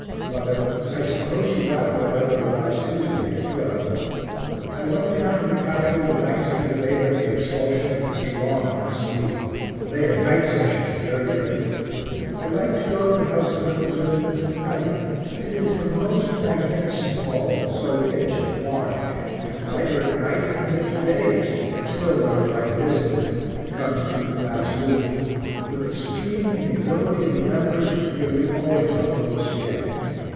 Mother, I suppose you got my letter of last Tuesday, 12th. I went down to the Capitol the nights of the debate on the expulsion of Mr. Long last week. They had night sessions, very late. I like to go to the House of Representatives at night; it is the most magnificent hall, so rich and large, and lighter at night than it is days, and still not a light visible it comes through the glass roof but the speaking and the ability of the members is nearly always on a low scale.